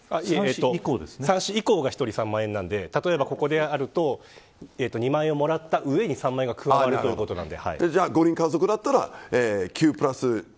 ３子以降が１人３万円なので例えばここであると２万円もらった上で３万円が加わるということです。